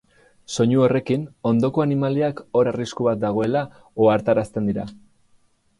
Soinu horrekin ondoko animaliak hor arrisku bat dagoela ohartarazten dira.